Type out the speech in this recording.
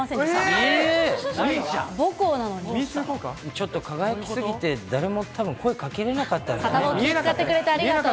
ちょっと輝きすぎて誰もたぶん声かけれなかったんじゃない。